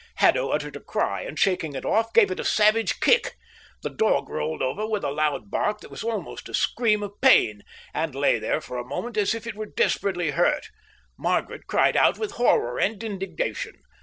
Haddo uttered a cry, and, shaking it off, gave it a savage kick. The dog rolled over with a loud bark that was almost a scream of pain, and lay still for a moment as if it were desperately hurt. Margaret cried out with horror and indignation.